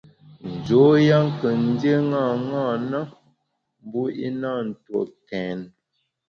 Njoya kù ndié ṅaṅâ na, mbu i na ntue kèn.